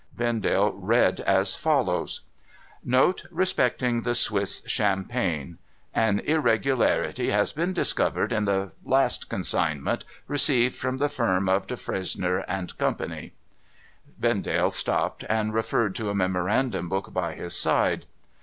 Vendale read as follows :—' Note, respecting the Swiss champagne. An irregularity has been discovered in the last consignment received from the firm of Defresnier and Co.' Vendale stopped, and referred to a memorandum book by his side.